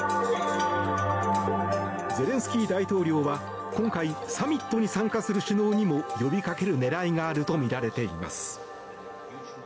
ゼレンスキー大統領は今回サミットに参加する首脳にも呼びかける狙いがあるとみられています。